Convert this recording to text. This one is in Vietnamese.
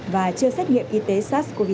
và chưa xét nghiệm y tế sars cov hai